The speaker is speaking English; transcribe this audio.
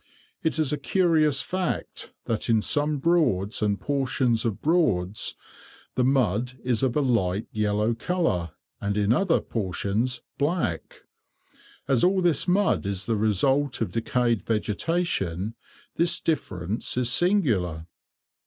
It is a curious fact that in some Broads and portions of Broads, the mud is of a light yellow colour, and in other portions black. As all this mud is the result of decayed vegetation, this difference is singular.